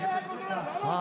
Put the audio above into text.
さあ